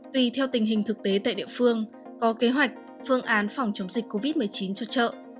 tùy theo tình hình thực tế tại địa phương có kế hoạch phương án phòng chống dịch covid một mươi chín cho chợ